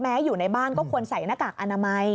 อยู่ในบ้านก็ควรใส่หน้ากากอนามัย